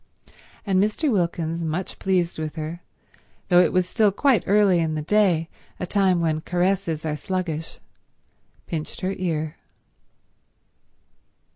And Mr. Wilkins, much pleased with her, though it was still quite early in the day, a time when caresses are sluggish, pinched her ear.